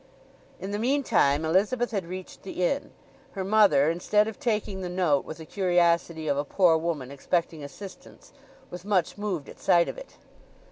In the meantime Elizabeth had reached the inn. Her mother, instead of taking the note with the curiosity of a poor woman expecting assistance, was much moved at sight of it.